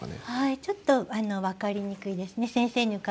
はいちょっと分かりにくいですね。